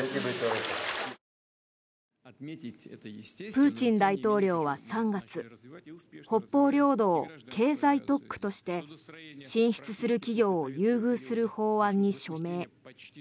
プーチン大統領は３月北方領土を経済特区として進出する企業を優遇する法案に署名。